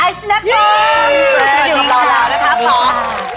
ไอสเนคบ็อก